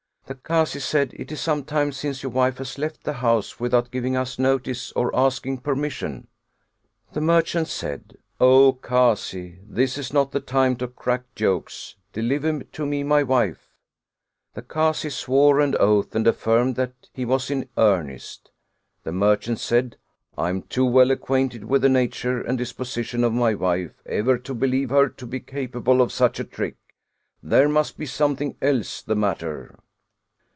The Kazi said: " It is some time since your wife has left the house without giving us notice or asking per mission." The merchant said: " O Kazi! This is not the time to 191 Oriental Mystery Stories crack jokes; deliver to me my wife." The Kazi swore an oath and affirmed that he was in earnest. The merchant said: " I am too well acquainted with the nature and dis position of my wife ever to believe her to be capable of such a trick; there must be something else the matter."